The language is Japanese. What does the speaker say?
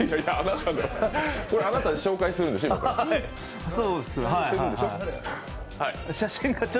これあなたが紹介するんでしょ？